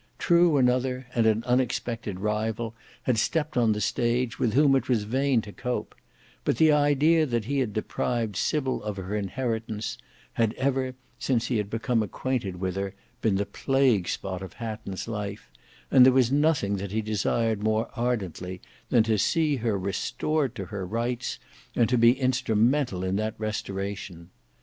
True another, and an unexpected rival, had stepped on the stage with whom it was vain to cope, but the idea that he had deprived Sybil of her inheritance, had ever, since he had became acquainted with her, been the plague spot of Hatton's life, and there was nothing that he desired more ardently than to see her restored to her rights, and to be instrumental in that restoration.